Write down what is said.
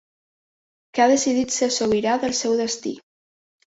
Que ha decidit ser sobirà del seu destí.